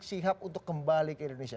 siap untuk kembali ke indonesia